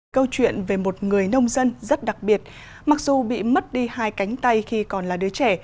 câu chuyện về một người nông dân rất đặc biệt mặc dù bị mất đi hai cánh tay khi còn là đứa trẻ